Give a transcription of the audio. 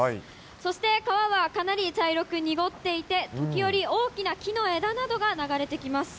そして川はかなり茶色く濁っていて、時折、大きな木の枝などが流れてきます。